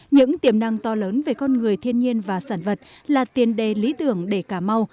những tiềm năng to lớn về con người thiên nhiên và sản vật là tiền đề lý tưởng để cà mau